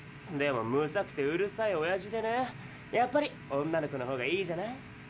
でもむさくてうるさいおやじでねやっぱり女の子の方がいいじゃない。